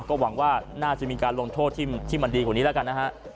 ก็หวังว่าน่าจะมีการลงโทษที่มันดีกว่านี้แล้วกันนะฮะ